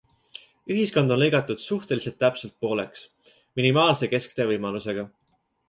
Ühiskond on lõigatud suhteliselt täpselt pooleks, minimaalse kesktee võimalusega.